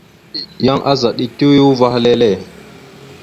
Yan azaɗ etew ya uvah lele.